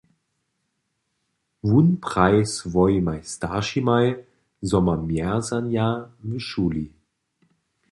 Wón praji swojimaj staršimaj, zo ma mjerzanja w šuli.